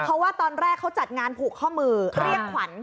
เพราะว่าตอนแรกเขาจัดงานผูกข้อมือเรียกขวัญ